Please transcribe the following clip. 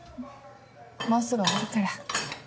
もうすぐ終わるから。